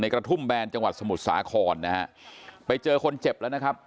กระทุ่มแบนจังหวัดสมุทรสาครนะฮะไปเจอคนเจ็บแล้วนะครับ